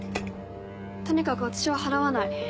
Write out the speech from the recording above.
とにかく私は払わない。